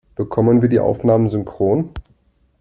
Bekommen wir die Aufnahmen synchron?